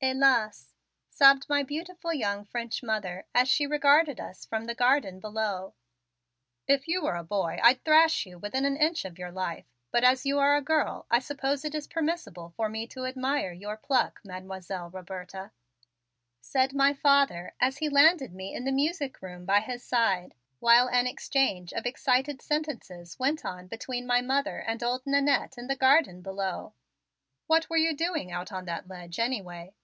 Helas!" sobbed my beautiful young French mother as she regarded us from the garden below. "If you were a boy I'd thrash you within an inch of your life, but as you are a girl I suppose it is permissible for me to admire your pluck, Mademoiselle Roberta," said my father as he landed me in the music room by his side while an exchange of excited sentences went on between my mother and old Nannette in the garden below. "What were you doing out on that ledge, anyway?